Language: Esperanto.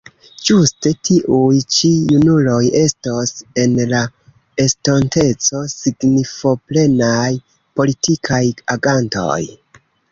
Ĝuste tiuj ĉi junuloj estos en la estonteco signifoplenaj politikaj agantoj.